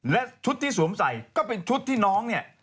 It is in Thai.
และชุดที่สวมใส่ก็เป็นชุดที่น้องเนี่ย